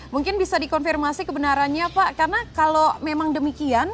mungkin bisa dikonfirmasi kebenarannya pak karena kalau memang demikian